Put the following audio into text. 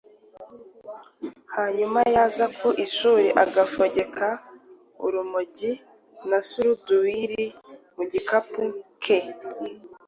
Hanyuma yaza ku ishuri agafogeka urumogi na suruduwiri mu gikapu ke.